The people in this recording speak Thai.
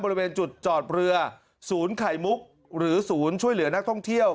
บริเวณจุดจอดเรือศูนย์ไข่มุกหรือศูนย์ช่วยเหลือนักท่องเที่ยว